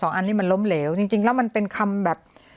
อันนี้มันล้มเหลวจริงแล้วมันเป็นคำแบบ